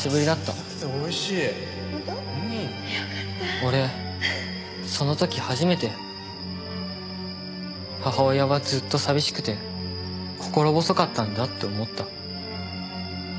俺その時初めて母親はずっと寂しくて心細かったんだって思った。